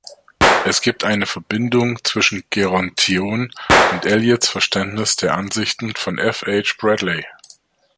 Es gibt eine Verbindung zwischen „Gerontion" und Eliots Verständnis der Ansichten von F. H. Bradley.